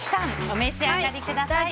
お召し上がりください。